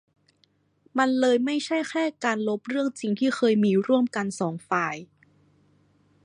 มันเลยไม่ใช่แค่การลบเรื่องจริงที่เคยมีร่วมกันสองฝ่าย